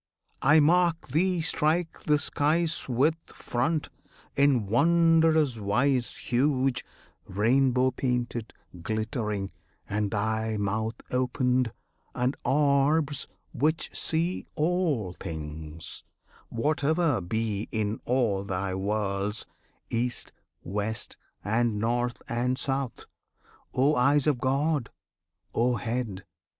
I mark Thee strike the skies With front, in wondrous wise Huge, rainbow painted, glittering; and thy mouth Opened, and orbs which see All things, whatever be In all Thy worlds, east, west, and north and south. O Eyes of God! O Head!